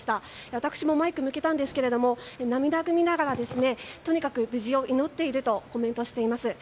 私もマイクを向けたんですが涙ぐみながらとにかく無事を祈っているとコメントしています。